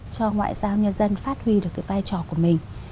cho ngoại giao nhân dân phát huy được cái vai trò của mình